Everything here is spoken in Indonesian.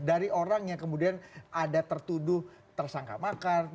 dari orang yang kemudian ada tertuduh tersangka makar